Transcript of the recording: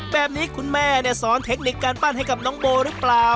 แบบนี้คุณแม่สอนเทคนิคการปั้นให้กับน้องโบหรือเปล่า